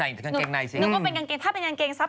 ถ้าเป็นกางเกงซับในแล้วเขาใส่กางเกงยาว